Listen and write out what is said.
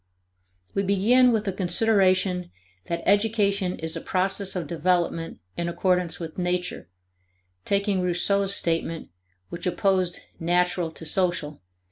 We begin with a consideration that education is a process of development in accordance with nature, taking Rousseau's statement, which opposed natural to social (See ante, p.